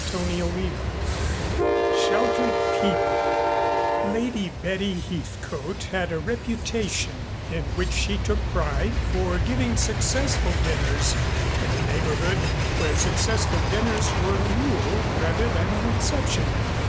CHAPTER I SHELTERED PEOPLE Lady Betty Heathcote had a reputation in which she took pride for giving successful dinners in a neighborhood where successful dinners were a rule rather than an exception.